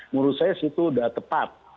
menurut saya sudah tepat